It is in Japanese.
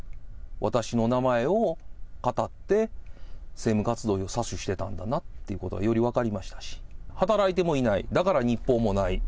私の名前をかたって、政務活動費を詐取していたんだなということがより分かりましたし、働いてもいない、だから日報もない。